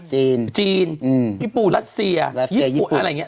จีนจีนพี่ปูรัสเซียญี่ปุ่นอะไรอย่างนี้